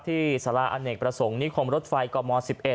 ที่สาราอเนกประสงค์นิคมรถไฟกม๑๑